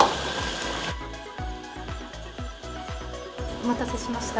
お待たせしました。